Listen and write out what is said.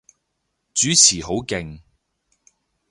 主持好勁